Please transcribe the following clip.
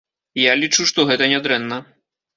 Я лічу, што гэта нядрэнна.